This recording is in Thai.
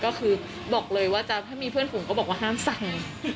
ก็คือบอกเลยว่าถ้ามีเพื่อนฝูงก็บอกว่าห้ามสั่ง